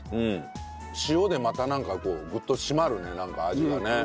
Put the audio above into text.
塩でまたなんかグッと締まるね味がね。